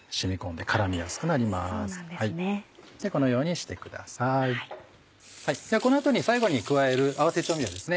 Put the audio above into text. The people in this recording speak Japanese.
ではこの後に最後に加える合わせ調味料ですね